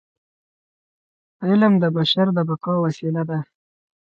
علم د بشر د بقاء وسیله ده.